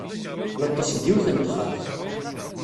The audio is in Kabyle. Neḍḍes deg yiwet n texxamt.